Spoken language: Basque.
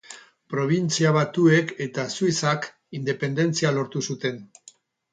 Probintzia Batuek eta Suitzak independentzia lortu zuten.